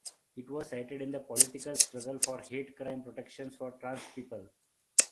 It was cited in the political struggle for hate crime protections for trans people.